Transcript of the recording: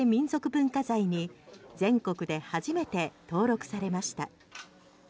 文化財に全国で初めて登録されました。